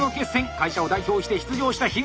会社を代表して出場した口。